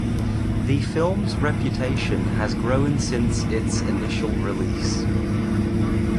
The film's reputation has grown since its initial release.